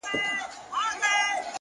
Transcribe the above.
له ځانه بېل سومه له ځانه څه سېوا يمه زه’